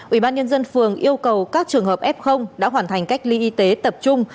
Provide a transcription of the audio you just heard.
ủy ban nhân dân phường yêu cầu các trường hợp f đã hoàn thành cách ly y tế tập trung